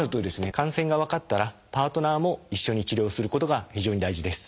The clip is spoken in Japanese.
感染が分かったらパートナーも一緒に治療することが非常に大事です。